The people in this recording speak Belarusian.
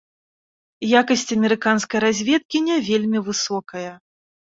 Якасць амерыканскай разведкі не вельмі высокая.